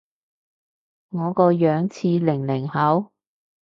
我個樣似零零後？